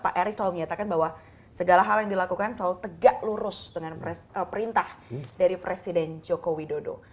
pak erick selalu menyatakan bahwa segala hal yang dilakukan selalu tegak lurus dengan perintah dari presiden joko widodo